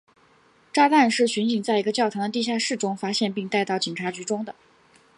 炸弹是巡警在一个教堂的地下室中发现并带到警察局中的。